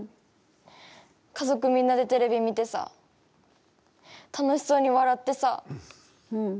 家族みんなでテレビ見てさ楽しそうに笑ってさ。